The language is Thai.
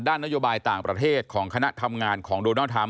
ด้านนโยบายต่างประเทศของคณะทำงานของ